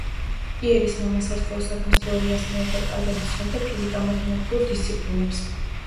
პიერის მამა საზღვაო საქმის თეორიასთან ერთად კარგად იცნობდა ფიზიკა-მათემატიკურ დისციპლინებს.